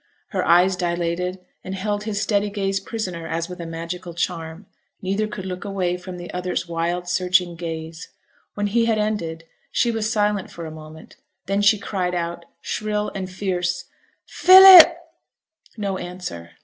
Her eyes dilated and held his steady gaze prisoner as with a magical charm neither could look away from the other's wild, searching gaze. When he had ended, she was silent for a moment, then she cried out, shrill and fierce, 'Philip!' No answer.